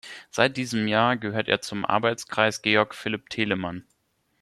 Seit diesem Jahr gehört er zum "Arbeitskreis Georg Philipp Telemann".